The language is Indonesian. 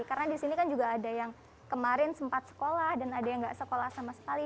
karena di sini kan juga ada yang kemarin sempat sekolah dan ada yang nggak sekolah sama sekali